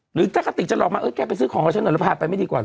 หรือถ้ากระติกจะหลอกมาเออแกไปซื้อของกับฉันหน่อยแล้วพาไปไม่ดีกว่าเห